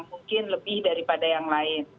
mungkin lebih daripada yang lain